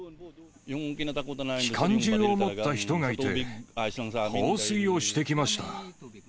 機関銃を持った人がいて、放水をしてきました。